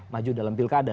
maju dalam pilkada